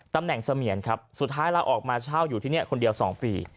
ตำแหน่งเสมียนครับสุดท้ายลาออกมาเช่าอยู่ที่นี่คนเดียว๒ปี